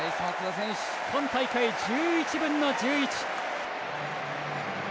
今大会、１１分の１１。